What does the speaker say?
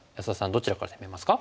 どちらから攻めますか？